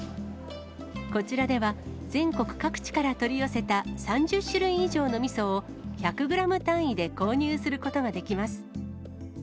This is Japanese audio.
こちらでは、全国各地から取り寄せた３０種類以上のみそを、１００グラム単位で購入することができます。